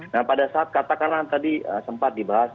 nah pada saat kata kanan tadi sempat dibahas